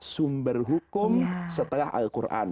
sumber hukum setelah al quran